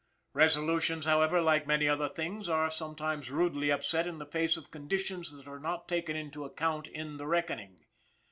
Resolutions, however, like many other things, are sometimes rudely upset in the face of conditions that are not taken into account in the reckoning.